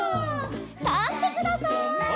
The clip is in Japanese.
たってください。